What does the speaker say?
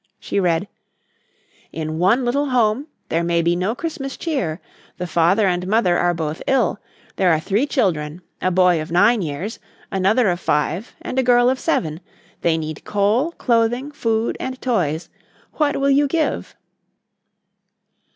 She read: "In one little home there may be no Christmas cheer; the father and mother are both ill. There are three children; a boy of nine years, another of five, and a girl of seven. They need coal, clothing, food and toys. _What will you give?